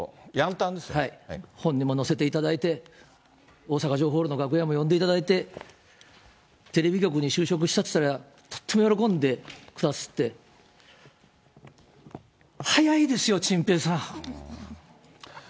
本にも載せていただいて、大阪城ホールの楽屋に呼んでいただいて、テレビ局に就職したと伝えたら、とっても喜んでくださって、早いですよ、ちんぺいさん。